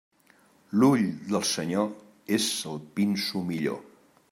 L'ull del senyor és el pinso millor.